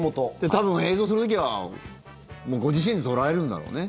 多分、映像化する時はご自身で撮られるんだろうね。